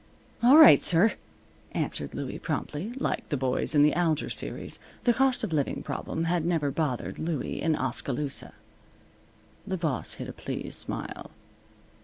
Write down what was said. "All right, sir," answered Louie, promptly, like the boys in the Alger series. The cost of living problem had never bothered Louie in Oskaloosa. The boss hid a pleased smile.